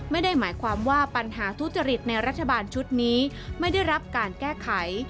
ไม่ได้หมายความว่าปัญหาทุจริตในรัฐบาลชุดนี้ไม่ได้รับการแก้ไข